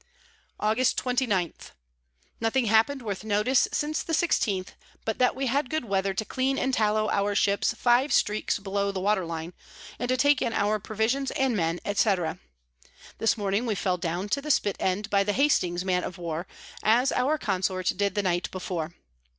Aug. 28. Nothing happen'd worth notice since the 16th, but that we had good Weather to clean and tallow our Ships five Streaks below the Water Line, and to take in our Provisions and Men, &c. This Morning we fell down to the Spit end by the Hastings Man of War, as our Consort did the night before.